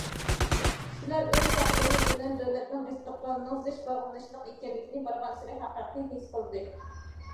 كىشىلەر ئۆز تەقدىرى بىلەن دۆلەتنىڭ ئىستىقبالىنىڭ زىچ باغلىنىشلىق ئىكەنلىكىنى بارغانسېرى ھەقىقىي ھېس قىلدى.